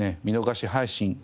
見逃し配信